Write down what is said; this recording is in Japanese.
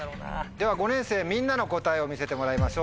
では５年生みんなの答えを見せてもらいましょう。